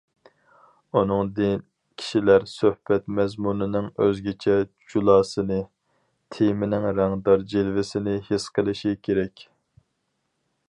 ئۇنىڭدىن كىشىلەر سۆھبەت مەزمۇنىنىڭ ئۆزگىچە جۇلاسىنى، تېمىنىڭ رەڭدار جىلۋىسىنى ھېس قىلىشى كېرەك.